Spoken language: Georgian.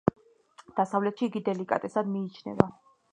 დასავლეთში იგი დელიკატესად მიიჩნევა.